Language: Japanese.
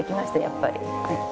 やっぱり。